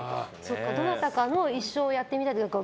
どなたかの一生をやってみたいとか。